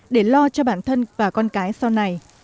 để lo cho bản thân và con cái sau này